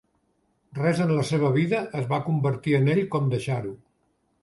Res en la seva vida es va convertir en ell com deixar-ho